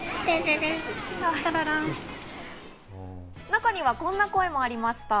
中にはこんな声もありました。